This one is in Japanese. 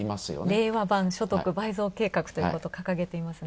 令和版所得倍増計画ということを掲げていますね。